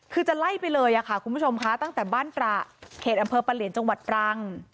คือจะไล่ไปเลยค่ะคุณผู้ชมค่ะตั้งแต่บ้านตระเขตอำเภอปะเหลียนจังหวัดตรัง